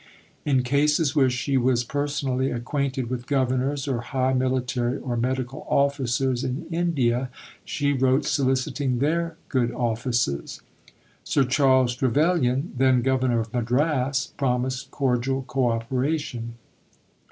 In cases where she was personally acquainted with Governors or high military or medical officers in India, she wrote soliciting their good offices. Sir Charles Trevelyan, then Governor of Madras, promised cordial co operation.